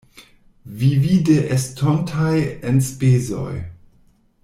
Vivi de estontaj enspezoj.